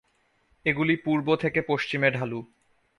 এগুলি পূর্ব থেকে পশ্চিমে ঢালু।